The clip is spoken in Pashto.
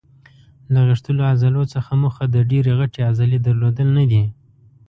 له غښتلو عضلو څخه موخه د ډېرې غټې عضلې درلودل نه دي.